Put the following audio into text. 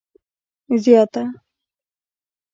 زیاته